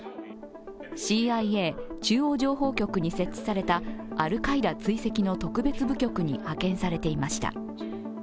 ＣＩＡ＝中央情報局に設置されたアルカイダ追跡の特別部局に派遣されていました。